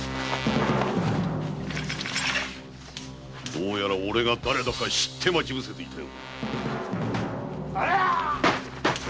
どうやらおれがだれだか知って待ち伏せていたようだな。